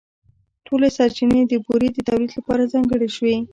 ټولې سرچینې د بورې د تولیدً لپاره ځانګړې شوې.